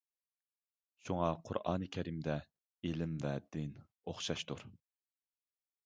شۇڭا قۇرئان كەرىمدە ئىلىم ۋە دىن ئوخشاشتۇر.